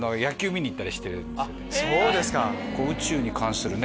そうですか。